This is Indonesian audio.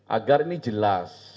agar ini jelas